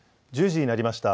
１０時になりました。